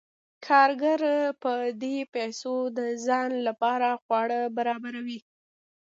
کارګر په دې پیسو د ځان لپاره خواړه برابروي